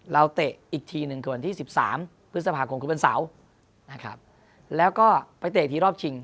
เราเตะอีกทีนึงคือวันที่๑๓พฤษภาคมคุณบรรสาวนะครับแล้วก็ไปเตะอีกทีรอบชิง